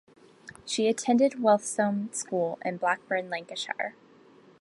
She attended Westholme School in Blackburn, Lancashire.